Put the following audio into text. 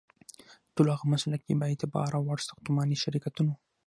ټولو هغو مسلکي، بااعتباره او وړ ساختماني شرکتونو